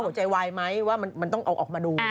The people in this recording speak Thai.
หัวใจวายไหมว่ามันต้องเอาออกมาดู